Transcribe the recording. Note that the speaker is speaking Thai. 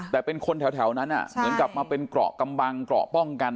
แต่เป็นคนแถวนั้นเหมือนกับมาเป็นเกราะกำบังเกราะป้องกัน